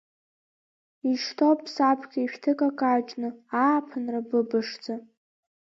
Ишьҭоуп саԥхьа ишәҭыкакаҷны, ааԥынра быбышӡа!